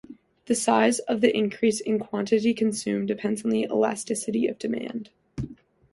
The size of the increase in quantity consumed depends on the elasticity of demand.